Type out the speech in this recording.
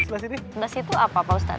sebelah situ apa pak ustaz